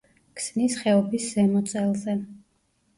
ქსნის ხეობის ზემო წელზე.